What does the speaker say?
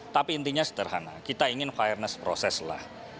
tapi intinya sederhana kita ingin fireness proseslah